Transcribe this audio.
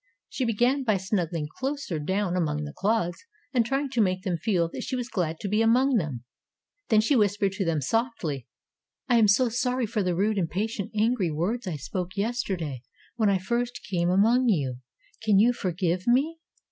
She began by snuggling closer down among the clods and trying to make them feel that she was glad to be among them. Then she whispered to them softly: "I am so sorry for the rude, impatient, angry words I spoke yesterday when I first came among you. Can you forgive me?"